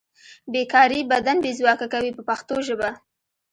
بې کاري بدن بې ځواکه کوي په پښتو ژبه.